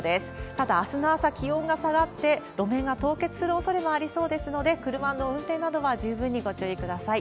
ただ、あすの朝、気温が下がって路面が凍結するおそれもありそうですので、車の運転などは十分にご注意ください。